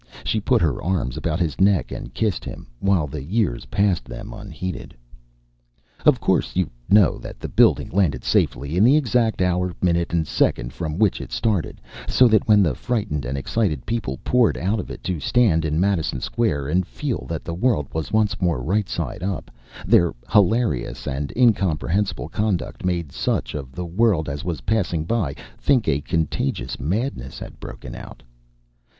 She put her arms about his neck and kissed him, while the years passed them unheeded. Of course you know that the building landed safely, in the exact hour, minute, and second from which it started, so that when the frightened and excited people poured out of it to stand in Madison Square and feel that the world was once more right side up, their hilarious and incomprehensible conduct made such of the world as was passing by think a contagious madness had broken out.